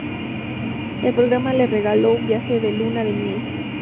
El programa les regaló un viaje de luna de miel.